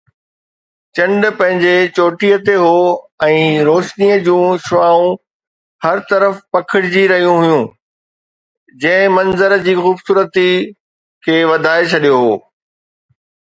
چنڊ پنهنجي چوٽيءَ تي هو ۽ روشنيءَ جون شعاعون هر طرف پکڙجي رهيون هيون، جنهن منظر جي خوبصورتي کي وڌائي ڇڏيو هو.